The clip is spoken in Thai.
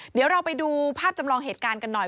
เดี๋ยวเราไปดูภาพจำลองเหตุการณ์กันหน่อย